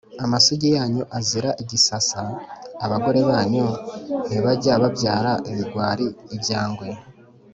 amasugi yanyu azira igisasa: abagore banyu ntibajya babyara ibigwari, ibyangwe